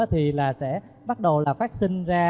thì là sẽ bắt đầu là phát sinh ra